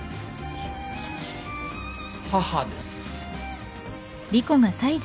母です。